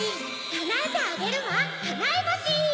かなえてあげるわかなえぼし。